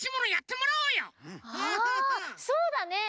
あそうだね。